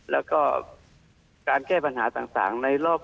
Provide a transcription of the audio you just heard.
และการแก้ปัญหาต่าง